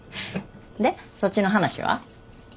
でそっちの話は？